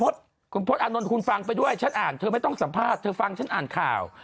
คุณพจน์อานนท์คุณฟังไปด้วยฉันอ่านเธอไม่ต้องสัมภาษณ์เธอฟังฉันอ่านข่าว